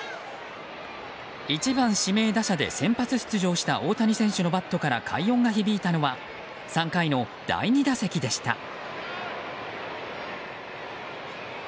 １番指名打者で先発出場した大谷選手のバットから快音が響いたのは３回の第２打席でした。